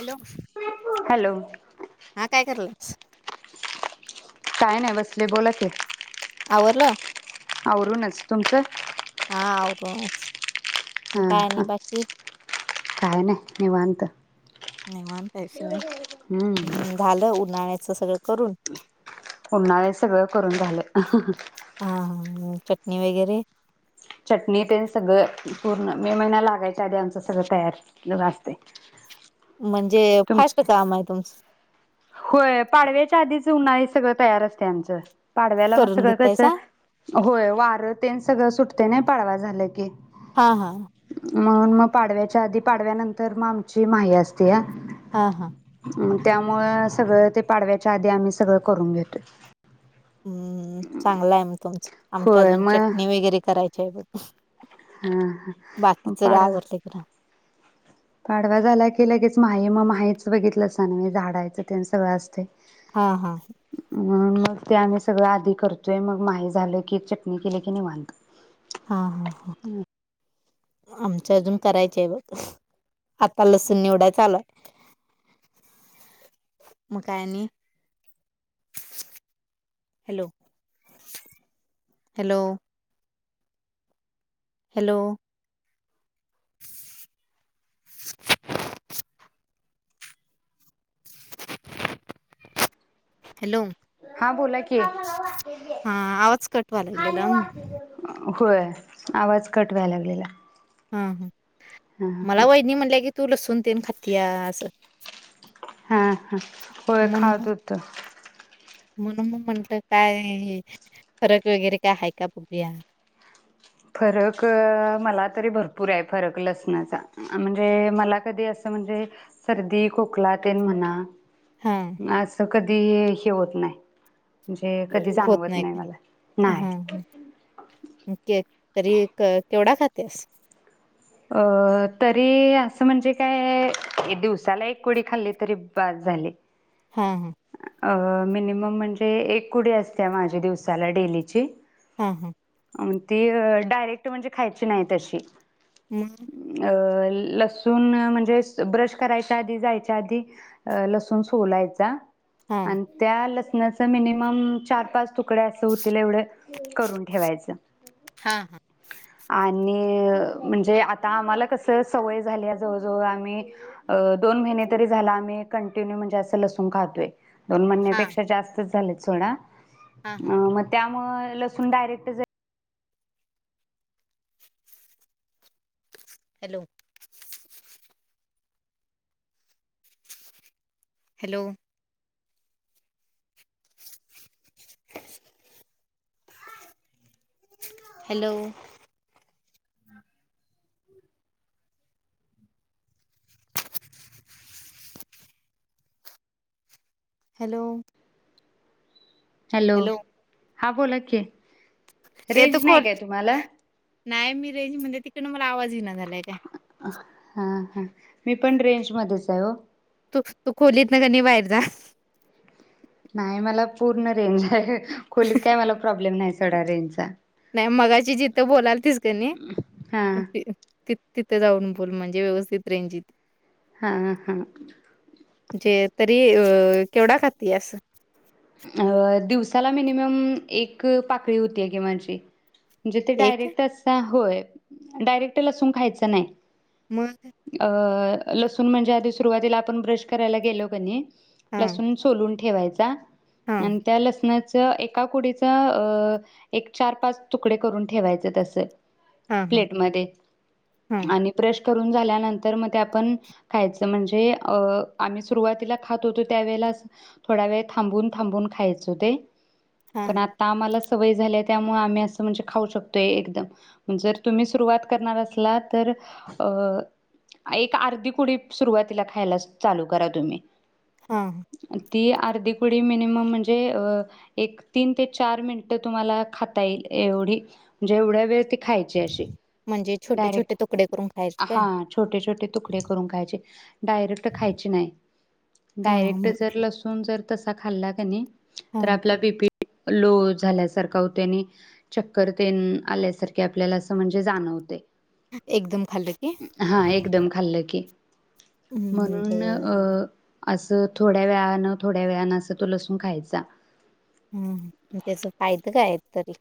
Hello hello हा काय कराल्यास? काय नाही बसले बोलां की. आवरलं? आवरूनच, तुमचं? हा आवरूनच. मग हा काय आणि हा बाकी काय नाही निवांत निवांत आहेस हम्म व्हयं झालं उन्हाळ्या असं सगळं करून उन्हाळ्याच सगळं करून झालं हा हा हा हा चटणी वगैरे. चटणी तेन सगळं पूर्ण मे महिन्या लागायच्या आधी आमचं सगळ तयार असतय. म्हणजे फास्ट काम आहे तुमचं होय पाडव्याच्या आधीच उन्हाळी सगळं तयार असतय आमचं पाडव्याला मस्त करून सगळं कस घेतायसा होय वार तेन सगळं सुटते नाही पाडवा झालं की. हा हा म्हणून मग पाडव्याच्या आधी पाडव्यानंतर मग आमची माही असते ह हा हा त्या सगळं ते पाडव्याच्या आधी आम्ही सगळं करून घेतोय. हम्म चांगलं आहे मगं तुमचं आमच्या होय अजून मग चटणी वगैरे कायघ करायचे बघ- हा ह मग बाकीच सगळं पाड आवरलंय खरं पाडवा झाला की लगेच माहि मग माहिच बघितलं अस ना मगं झाडायचं त्यां सगळं असतय. हा हा म्हणून मग ते आम्ही सगळं आधी करतोय मग माही झालं की चटणी केली की निवांत. हा हा हा आमच अजून करायच आहे बघ आता लसूण निवडाय चालूय. मग काय आणि? हॅलो हॅलो हॅलो [unintelligible] हॅलो हा बोला कि. हा आवाज कट व्हायला लागलेला होय आवाज कट व्हाय लागलेला. हम् हम् मला वहिनी म्हणल्या की तू लसूण तेन खात्यास हा ह होय म्हणून खात मग हुतो. म्हणून मग म्हटलं काय फरक वगैरे काय आहे का बघूया. फरक मला तरी भरपूर आहे फरक लसणाचा म्हणजे मला कधी असं म्हणजे सर्दी खोकला तेन म्हणा हां. आज स कधी हे होत नाय. म्हणजे कधी होत जाणवत नाही का? मला. हां, नाही हां. के तरी क केवढा खातीयास? अ तरी असं म्हणजे काय दिवसाला एक कुडी खाल्ली तरी बास झाली. हा हा अ मिनिमम म्हणजे एक कुडी असतिया माझी दिवसाला डेलीची. हम हम् अन ती डायरेक्ट म्हणजे खायची नाय तशी. मग अ लसूून म्हणजे ब्रश करायच्या आधी जायच्या आधी लसून सोलायचा. हां. आणि त्या ल त्यांच मिनिमम चार पाच तुकडे अस हो तिला एवढं करून ठेवायचं. हां, हां. आणि म्हणजे आ आता आम्हाला कस सवय झाली आहे जवळजवळ आम्ही दोन महिने तरी झाल आम्ही कंटिन्यू म्हणजे असं लसूण खातोय. दोन हां, म्हणन्यापेक्षा जास्तच झालेत. सोडा हां, हां. अ मग त्या मग लसूून डायरेक्ट जर hello. Hello hello? Hello? Hello हा बोलाकी ए तू रेंज नाही खोल काय तुम्हाला? नाही मी रेंज म्हणजे तिकडंन मला आवाज येईना झालाय त्या हा हा मी पण रेंज मध्येच आहे हो तू तू खोलीत न कनी बाहेर जा. नाही मला पूर्ण रेंजय हाय ह खोलीत काय मला प्रॉब्लेम नाहीय. थोडा रेंज चा नाही मगाची जिथं बोलाल तीस कणी हा तिथं तिथ जाऊन बोल म्हणजे व्यवस्थित रेंज येती हा हा म्हणजे तरी अ केवढा खाती अस अ दिवसाला मिनिमम एक पाकळी होतीय कि माझी म्हणजे ते एक? डायरेक्ट अस होय डायरेक्ट लसून खायच नाही मग अ लसूण म्हणजे आधी सुरुवातीला आपण ब्रश करायला गेलो कणी हां, लसून सोलून ठेवायचा हां, आणि त्या लसणच एका कुडीच एक चार पाच तुकडे करून ठेवायचे तसं हां, हां, प्लेट मध्ये हां, आणि ब्रश करून झाल्यानंतर म ते आपण खायचं म्हणजे अ आम्ही सुरुवातीला खात होतो त्यावेळेच थोडा वेळ थांबून थांबून खायचं ते पण हां, आता आम्हाला सवय झाल्या त्यामुळे आम्ही अस म्हणजे खाऊ शकतोय एकदम जर तुम्ही सुरुवात करणार असला तर अ एक अर्धी कुडी सुरुवातीला खायला चालू करा तुम्ही हा ह ती अर्धिकु ती मिनीमम म्हंजे एक तीन ते चार मिनिट तुम्हाला खाता येईल एवढी जेवढ्या वेळ ती खायचे असे म्हणजे डायरेकट छोटे-छोटे तुकडे करून खायचे काय? हा छोटे छोटे तुकडे करून खायचे डायरेक्ट खायचे नाही डायरेक्ट हां, जर लसून जर तसा खाल्ला कनी तर हां. आपला बीपी लो झाल्यासारखा होते आणि चक्कर तेन आल्यासारखे आपल्याला असं म्हणजे जाणवतय. एकदम खाल्लं की? हा एकदम खाल्लं की, हं, म्हणून बरं. अ अस थोड्या वेळान थोड्या त्या वेळी अनासा तो लसूून खायचा. हम मग त्याच फायद काय आहेत? तरी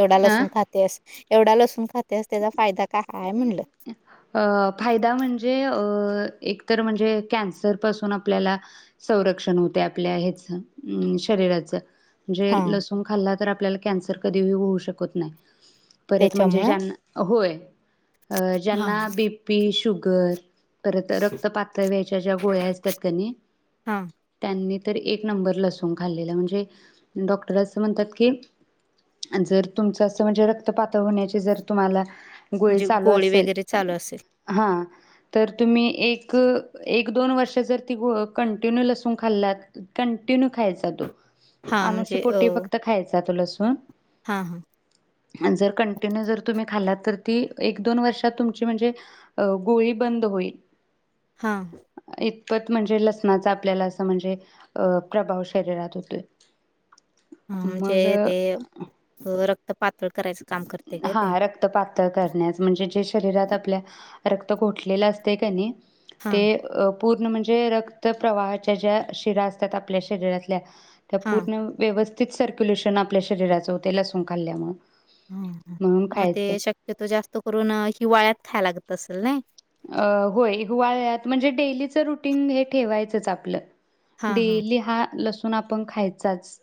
एवढा हा लसून खातियास? एवढा लसून खात [unintelligible] अ फायदा म्हणजे अ.. एक तर म्हणजे कॅन्सर पासून आपल्याला संरक्षण होते आपल्या ह्याच शरीराच म्हणजे हां, लसूण खाल्लात तर आपल्याला कॅन्सर कधीही होऊ शकत नाही [inaudible] परत म्हणजे त्याच्यामुळं ज्यांना होय अ हां, ज्यांना बीपी शु कर परत रक्त पातळ व्हायच्या ज्या गोळ्या असतात क नई हां. त्यांनी तर एक नंबर लसूून खाल्लेला म्हणजे डॉक्टर अस म्हणतात की, जर तुमच अस म्हणजे रक्त पातळ होण्याचे जर तुम्हाला गुळी म्हणजे चालू गोळी असेल वगैरे चालू असेल. हा तर तुम्ही एक एक दोन वर्ष जर ती ग कंटिन्यू लसून खाल्लात कंटिन्यू खायचा तो हां, अनुषपोटी फक्त खायचा तो लसु अ हा हा हा जर कंटिन्यू जर तुम्ही खाल्लात तर ती एक दोन वर्षात तुमची म्हणजे गोळी बंद होईल हा त म्हणजे लसणाचा आपल्याला अस म्हणजे अ प्रभाव शरीरात होतोय आमचे मग ते [unintelligible] तपात हा रक्तपातळ करण्यास म्हणजे जे शरीरात आपल्या रक्त घोटलेल असतय का नाई? ते हां, अ पूर्ण म्हणजे रक्त प्रवाहाच्या ज्या शिरा असतात आपल्या शरीरातल्या त्या हां. पूर्ण व्यव तेच सर्क्युलेशन आपल्या शरीराच होतय लसूून खाल्ल्यामुळ. ह हं मग ते शक्यतो जास्त करून हिवाळ्यात खाय लाग तसलाय अ होय हिवाळ्यात म्हणजे डेलीच रुटीन हे ठेवायचंच आपलं. हां, हां. डेली हा लसू म्हणून आपण खायचाच.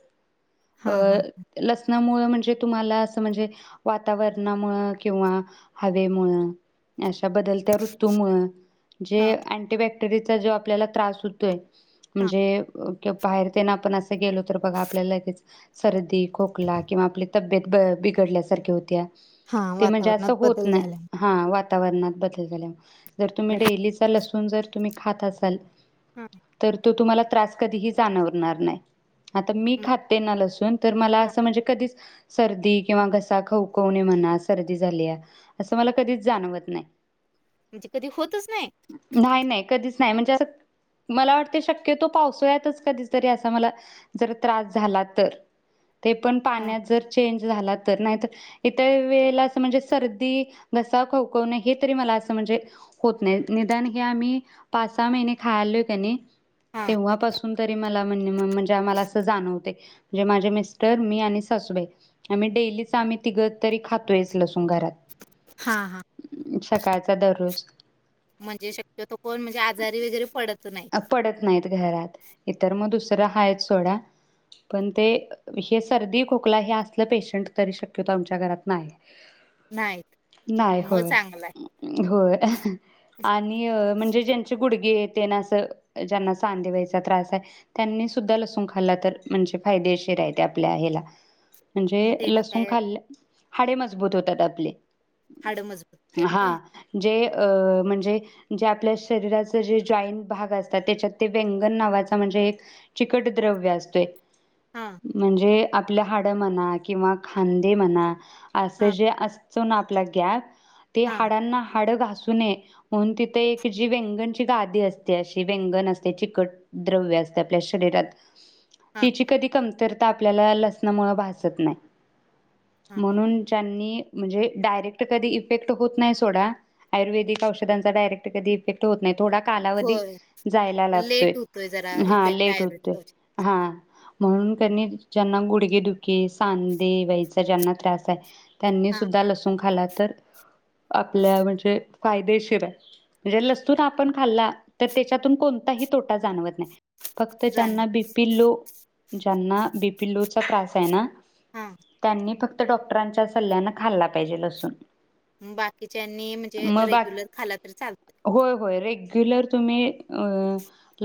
अ हां, हां. लसणामुळ म्हणजे तुमाला अस म्हणजे वातावरणामुळ किंवा हवे मूळ अश्या बत ऋतूमुळे जे हां, अँटीबॅक तिडीचा जो आपल्याला त्रास होतोय हां. म्हणजे अ किंवा बाहेर तेन आपण असं गेलो तर बघा आपल्याला लगेच सर्दी खोकला किंवा आपले तब्येत ब-बिघडल्यासारखी होत्या. हां, ते म्हणजे अस वातावरणात होत बदल नाही झाल्यामुळे. ह वात तवरा बदल लई झाल्या जर तुम्ही डेलीचा लसू पण जर तुम्ही खात असाल हां, तर तो तुम्हाला त्रास कधीही जाणवणार नाही. आता मी मग खाते ना लसूण. तर मला हां, असं म्हणजे कधीच सर्दी किंवा घसा खवकवणे म्हणा सर्दी झालीया असं मला कधीच जाणवत नाही. म्हणजे कधी होतच नाही. नाय म्हणजे असं मला वाटत शक्यतो पावसाळ्यातच कधीतरी असा मला जर त्रास झाला तर ते पण हां, पाण्यात जर चेंज झाला तर नाही त इतर वेळेला असं म्हणजे सर्दी घसा खवखवणे हे तरी मला अस म्हणजे होत नाही निदान हे आम्ही पाच सहा महिने खायलोय क नाई हां. तेव्हापासून तरी म लामणी नी मं म्हणजे आमाला अस जाणवतय. जे माझे मिस्टर मी आणि सासूबाई आम्ही डेलीच आम्ही तिघ तरी खातोयस लसू घरात हां, हां. सकाळच अता दररोज म्हणजे शक्यतो कोण म्हणजे आजारी वगैरे पडत नाही अ पडत नाहीत घरात इतर म दुस तर हा एक आहे सोडा पण ते हे सर्दी, खोकला हे असलं पेशंट तरी शक्यतो आमच्या घरात नाही. नाहीत. नाही मग होय, चांगला आहे. होय हा आणि अ म्हणजे ज्यांचे गुडगे ते ना असं तर अ ज्यांना सांधे वाईचा त्रास आहे त्यांनी सुद्धा लसूण खाल्ला तर म्हणजे फायदेशीर आहे ते आपल्या हेला. मग म्हणजे त्यानं लसूण काय खाल्ल हाडे मजबूत होतात आपली. हाडं मजबूत होतात हा काय? जे अ म्हणजे जे आपल्या शरीराच जे जॉइन्ट भाग असतात. त्याच्यात ते व्यंगन नावाचा म्हणजे एक चिकट द्रव्य असतोय. हां, म्हणजे आपली हाडं म्हणा किंवा खांदे म्हणा असं हां, जे अस तो ना आपला गॅप ते हां, हाडांना हाड घा घासू नये म्हणून तिथ एक जी व्यंगणची गादी असते. ती अशी व्यंगन असते चिकट द्रव्य असते आपल्या शरीरात हां, तिची कधी कमतर तर आपल्याला लसणमुळ भासत नाही. हां. म्हणून ज्यांनी म्हणजे डायरेक्ट कधी इफेक्ट होत नाही सोडा. आयुर्वेदिक औषधांचा डायरेक्ट कधी इफेक्ट होत नाही. थोडा कालावधी होय. जायला लागतोय. लेट होतोय जरा हा इफेक्ट लेट होतोय. आयुर्वेदिक औषध. हा म्हणून क नई ज्यांना गुडघे दुखी, सांधे वाईचा ज्यांना त्रास आहे हां, त्यांनीसुद्धा लसूण खालात तर आपल्या म्हणजे फायदेशीर आहे. म्हणजे लसून आपण खाल्ला तर त्याच्यातून कोणताही तोटा जाणवत नाही. फक्त जाणवतं. ज्यांना बि पी लो ज्यांना बी पी लोचा त्रास आहे ना हां. त्यांनी फक्त फक्त डॉक्टरांच्या सल्ल्यान खाल्ला पाहिजे लसूण. बाकीच्यांनी म्हणजे मग बा रेग्युलर खाला तरी चालतंय. होय होय रेग्युलर तुम्ही अ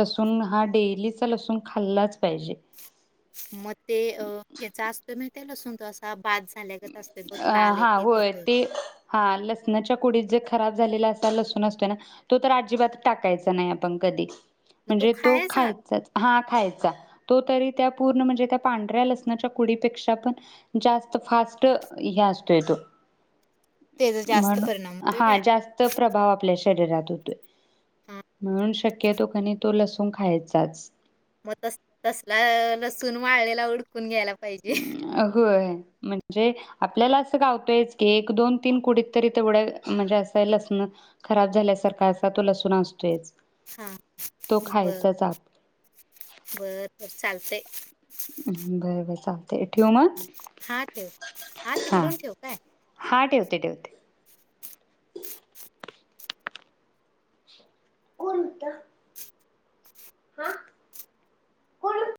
लसूण हा डेलीचा लसूण खाल्लाच पाहिजे. मग ते अ ह्याचा असतोय माही ते लसूण तो असा बाद झाल्यागत असतो बघ अ लाल हा एक-एक होय होतो. ते हा लसणच्या कुडीत जे खराब झालेला असा लसून असतोय ना तो तर अजिबात टाकायचा नाही आपण कधी मग म्हणजे तो खायचा. खायचाच. हा खायचा तो तरी त्या पूर्ण म्हणजे त्या पांढऱ्या लसणच्या कुडी पेक्षा पण जास्त फास स्ट हे असतोय तो त्याचा जास्त म्हणू परिणाम होतोय हा काय. जास्त प्रभाव आपल्याशी चररा तोतोय हां. म्हणून शक्यतो कनी तो लसूण खायचाच. मग तस-तसला लसूून वाळळेला हूड अम ग होय म्हणजे आपल्याला असं गावतोयच की एक, दोन, तीन कुडीत तरी तेवढ्या म्हणजे असं लसणं खराब झाल्यासारखा असा तो लसूण असतोयच. हा तो खायचाच आप बर-बर-बर चालतंय [inaudible] बाय-बाय चाल हा ठेव. हा तिकडून ठेव काय. हा ठेवते ठेवते. कोणत? [inaudible] हा कोण?